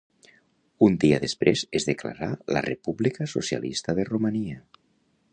Un dia després es declarà la República Socialista de Romania.